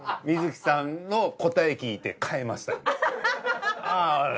観月さんの答え聞いて変えました。